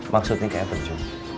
maksudnya ke eten cum